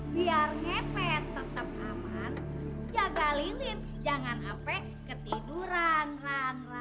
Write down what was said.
biar ngepet tetep aman jaga lilin jangan apek ketiduran ran ran ran